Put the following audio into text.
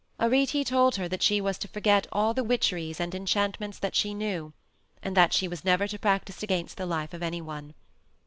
Arete told her that she was to forget all the witcheries and enchantments that she knew, and that she was never to practice against the life of any one.